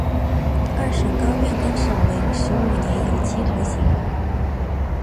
二审高院更审为十五年有期徒刑。